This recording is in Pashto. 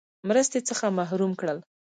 مرستې څخه محروم کړل.